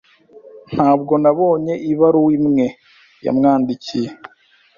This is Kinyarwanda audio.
Ntabwo nabonye ibaruwa imwe yamwandikiye